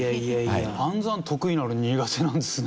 暗算は得意なのに苦手なんですね。